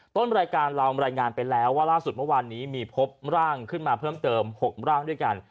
ต้นรายการเรารายงานไปแล้วว่าล่าสุดเมื่อวานนี้มีพบร่างขึ้นมาเพิ่มเติม๖ร่างด้วยกัน